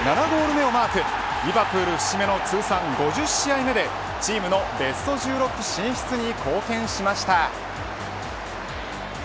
７ゴール目をマークリヴァプール節目の通算５０試合目でチームのベスト１６進出に貢献しました。